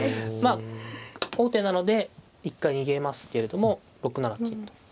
まあ王手なので一回逃げますけれども６七金と。